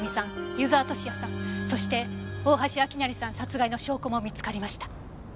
湯沢敏也さんそして大橋明成さん殺害の証拠も見つかりました。